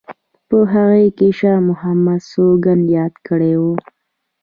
په هغه کې شاه محمد سوګند یاد کړی وو.